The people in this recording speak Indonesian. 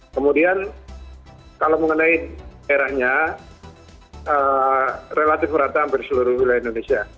kemudian kalau mengenai daerahnya relatif merata hampir seluruh wilayah indonesia